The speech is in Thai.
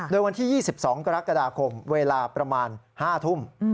โดยวันที่๒๒กรกฎาคมเวลาประมาณ๕ทุ่ม